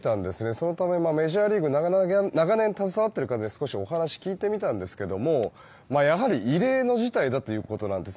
そのため、メジャーリーグに長年、携わっている方にお話を聞いてみたんですがやはり異例の事態だということなんです。